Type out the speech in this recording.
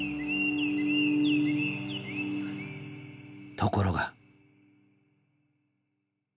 ところが。